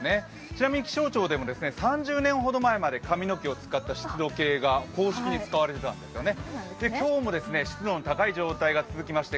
ちなみに気象庁でも３０年ほど前まで髪の毛を使った湿度計が公式に使われていたんですよね。